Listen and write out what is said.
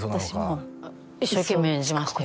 私も一生懸命演じましたよ